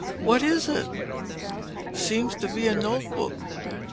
"What is it?" "Seems to be a notebook.